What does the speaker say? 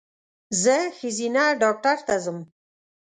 زه ښځېنه ډاکټر ته ځم